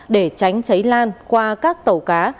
để tránh cháy lan qua các tàu cá